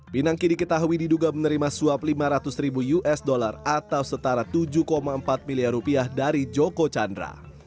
pinangki diketahui diduga menerima suap lima ratus ribu usd atau setara tujuh empat miliar rupiah dari joko chandra